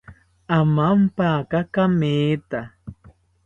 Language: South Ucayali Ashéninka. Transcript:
Amampaka kametha